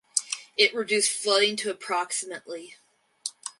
It reduced flooding to approx.